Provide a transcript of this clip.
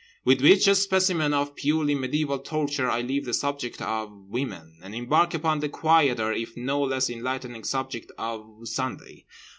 With which specimen of purely mediaeval torture I leave the subject of Women, and embark upon the quieter if no less enlightening subject of Sunday.